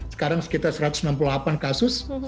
sekarang sekitar satu ratus enam puluh delapan kasus